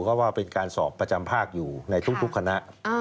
ก็ว่าเป็นการสอบประจำภาคอยู่ในทุกคณะ